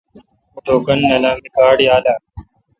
اوں ٹوکن نالاں آں می کارڈ یالہ؟